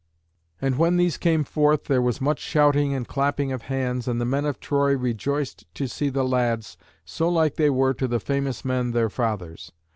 And when these came forth there was much shouting and clapping of hands, and the men of Troy rejoiced to see the lads, so like were they to the famous men their fathers.